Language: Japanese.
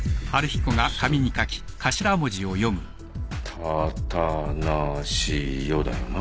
「たたなしよ」だよな。